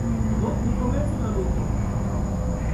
Do, ni komencu la ludon.